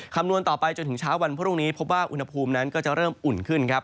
คำนวณต่อไปจนถึงเช้าวันพรุ่งนี้พบว่าอุณหภูมินั้นก็จะเริ่มอุ่นขึ้นครับ